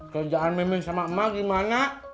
kerjaan memeng sama emak gimana